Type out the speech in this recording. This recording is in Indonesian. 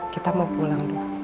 kita mau pulang dulu